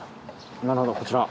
なるほどこちら。